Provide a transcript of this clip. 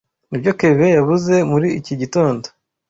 Nibyo Kevin yavuze muri iki gitondo.